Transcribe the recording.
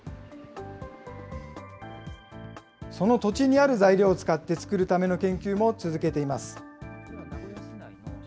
その土地にある材料を使って作るための研究も続けています。